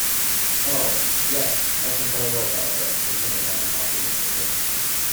“Oh, yes, I think I will, Barbara,” returned Anne optimistically.